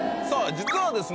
実はですね